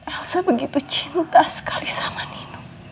aku begitu cinta sekali sama nino